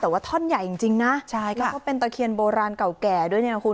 แต่ว่าท่อนใหญ่จริงนะใช่ค่ะแล้วก็เป็นตะเคียนโบราณเก่าแก่ด้วยเนี่ยนะคุณ